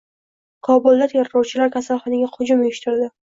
Kobulda terrorchilar kasalxonaga hujum uyushtirding